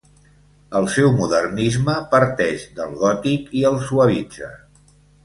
El seu modernisme parteix del gòtic i el suavitza.